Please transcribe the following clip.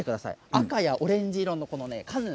赤やオレンジ色のカヌー。